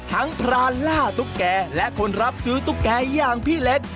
พรานล่าตุ๊กแก่และคนรับซื้อตุ๊กแก่อย่างพี่เล็ก